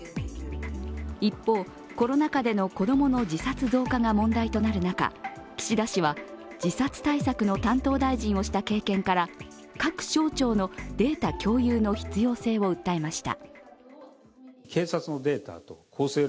一方、コロナ禍での子供の自殺増加が問題となる中、岸田氏は自殺対策の担当大臣をした経験から各省庁のデータ共有の必要性を訴えました。